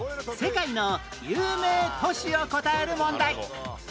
世界の有名都市を答える問題